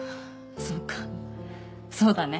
そっかそうだね